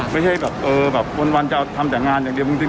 ไม่ใช่แบบเออวันจะทำแต่งานอย่างเดียว